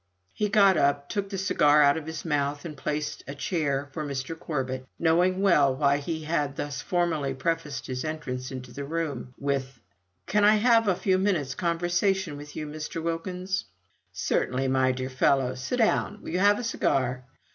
He got up, took the cigar out of his mouth, and placed a chair for Mr. Corbet, knowing well why he had thus formally prefaced his entrance into the room with a "Can I have a few minutes' conversation with you, Mr. Wilkins?" "Certainly, my dear fellow. Sit down. Will you have a cigar?"